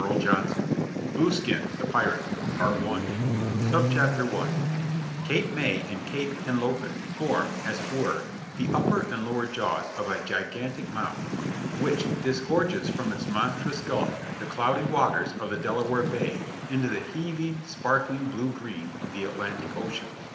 Chapter VI BLUESKIN, THE PIRATE I Cape May and Cape Henlopen form, as it were, the upper and lower jaws of a gigantic mouth, which disgorges from its monstrous gullet the cloudy waters of the Delaware Bay into the heaving, sparkling blue green of the Atlantic Ocean.